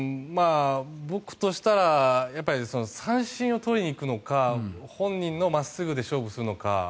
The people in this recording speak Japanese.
僕としたら三振を取りに行くのか本人の真っすぐで勝負するのか。